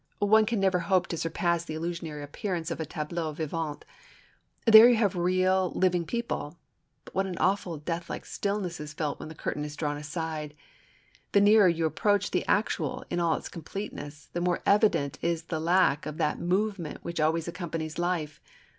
One can never hope to surpass the illusionary appearance of a #tableau vivant#. There you have real, living people. But what an awful deathlike stillness is felt when the curtain is drawn aside. The nearer you approach the actual in all its completeness, the more evident is the lack of that #movement# which always accompanies life.